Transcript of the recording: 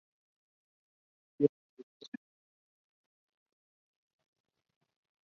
En ciertos lugares se conoce como luminaria solamente a la lámpara.